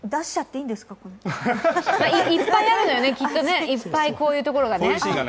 いっぱいあるのよね、きっとね、こういうシーンがね。